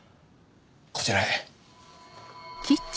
こちらへ。